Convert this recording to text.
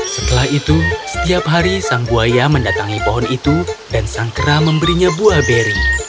setelah itu setiap hari sang buaya mendatangi pohon itu dan sang kera memberinya buah beri